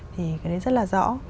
thì cái đấy rất là rõ